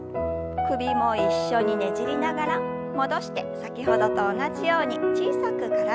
首も一緒にねじりながら戻して先ほどと同じように小さく体をねじります。